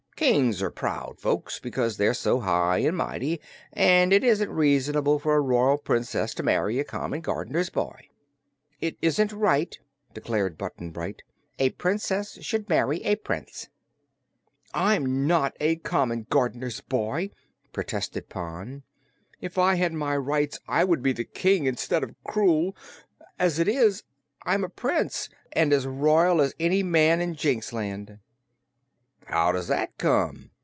Kings are proud folks, because they're so high an' mighty, an' it isn't reasonable for a royal Princess to marry a common gardener's boy." "It isn't right," declared Button Bright. "A Princess should marry a Prince." "I'm not a common gardener's boy," protested Pon. "If I had my rights I would be the King instead of Krewl. As it is, I'm a Prince, and as royal as any man in Jinxland." "How does that come?"